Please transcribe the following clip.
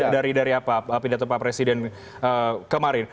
dari apa pidato pak presiden kemarin